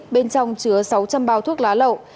bên trong chứa sáu trăm linh bao thuốc lá lậu